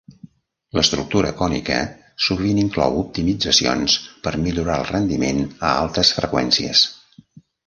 L'estructura cònica sovint inclou optimitzacions per millorar el rendiment a altes freqüències.